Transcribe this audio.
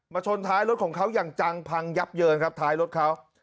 ชนท้ายรถของเขาอย่างจังพังยับเยินครับท้ายรถเขา